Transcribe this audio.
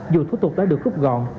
dù thủ tục đã được rút gọn